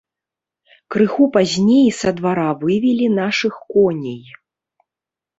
Крыху пазней са двара вывелі нашых коней.